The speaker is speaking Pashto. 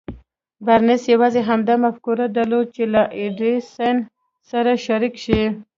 بارنس يوازې همدا مفکوره درلوده چې له ايډېسن سره شريک شي.